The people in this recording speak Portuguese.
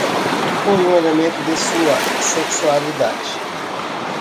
Foi um elemento de sua sexualidade.